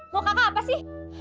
mau kakak apa sih